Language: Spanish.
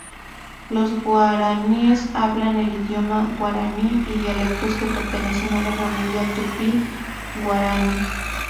Los guaraníes hablan el idioma guaraní y dialectos que pertenecen a la familia Tupí-guaraní.